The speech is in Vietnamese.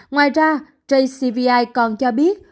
ngoài ra jcvi còn cho biết